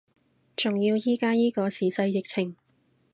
仲要依家依個時勢疫情